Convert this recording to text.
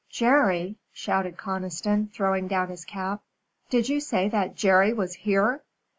"Jerry!" shouted Conniston, throwing down his cap. "Did you say that Jerry was here?"